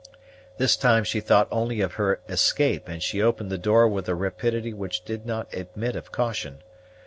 This time she thought only of her escape, and she opened the door with a rapidity which did not admit of caution.